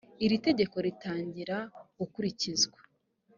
iri tegeko ritangira gukurikizwa